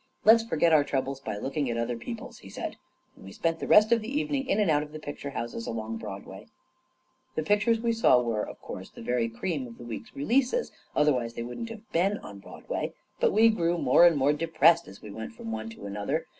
"Let's forget our troubles by looking at other people's," he said, and we spent the rest of the eve ning in and out of the picture houses along Broad way. The pictures we saw were, of course, the very cream of the week's releases — otherwise they wouldn't have been on Broadway; but we grew more and more depressed as we went from one to another.